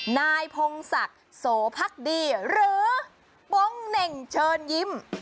นายพงศักดิ์โสพักดีหรือโป๊งเหน่งเชิญยิ้ม